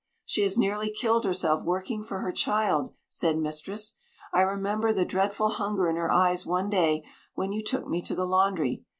"She has nearly killed herself working for her child," said mistress. "I remember the dreadful hunger in her eyes one day when you took me to the laundry.